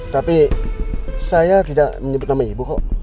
tapi saya tidak menyebut nama ibu